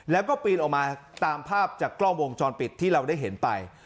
แล้วก็ปีนออกมาตามภาพจากกล้องวงจรปิดที่เราได้เห็นไป